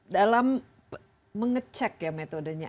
dalam mengecek ya metodenya